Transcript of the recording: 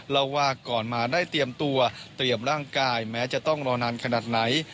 เล่าว่าก่อนมาได้เตรียมตัวเตรียมร่างกายแม้จะต้องรอนานขนาดไหน